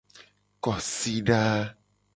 Kosida.